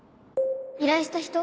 依頼した人？